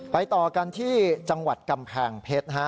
ต่อกันที่จังหวัดกำแพงเพชร